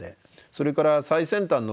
それから最先端の研究